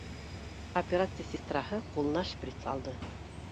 Операция сестраһы ҡулына шприц алды